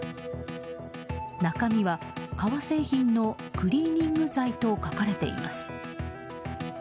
中身は、革製品のクリーニング剤と書かれています。